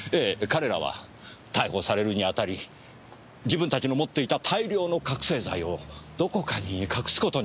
彼らは逮捕されるにあたり自分たちの持っていた大量の覚せい剤をどこかに隠すことにしたんです。